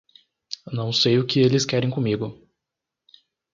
Não sei o que eles querem comigo